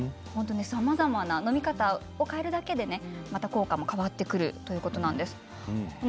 飲み方を変えるだけでまた効果も変わってくるということです。